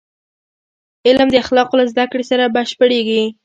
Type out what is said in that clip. علم د اخلاقو له زدهکړې سره بشپړېږي.